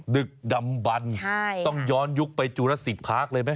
ดึกดำบันต้องย้อนยุคไปจุลสิกพาร์คเลยไหม